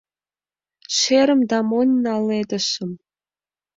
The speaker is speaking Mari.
— Шерым да монь наледышым.